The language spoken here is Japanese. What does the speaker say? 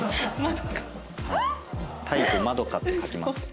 タイプまどかって書きます今後。